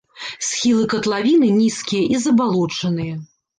Схілы катлавіны нізкія і забалочаныя.